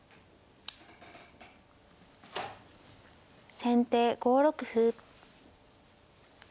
先手５六歩。